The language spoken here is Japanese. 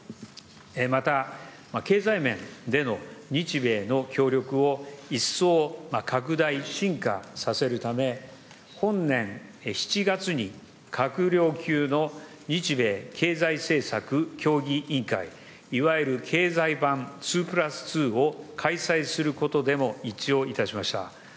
また、経済面での日米の協力を一層拡大、進化させるため、本年７月に閣僚級の日米経済政策協議委員会、いわゆる経済版２プラス２を開催することでも一致をいたしました。